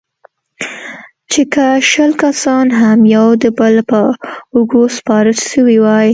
چې که شل کسان هم يو د بل پر اوږو سپاره سوي واى.